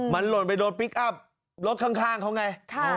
มันหล่นไปโดนพลิกอัพรถข้างเขาไง